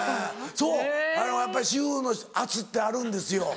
そうあのやっぱり主婦の圧ってあるんですよ。